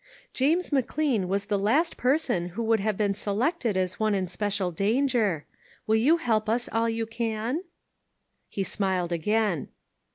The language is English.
James McLean was the last person who would have been se lected as one in special danger. Will you help us all you can?" He smiled again.